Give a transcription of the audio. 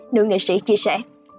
nữ nghệ sĩ chia sẻ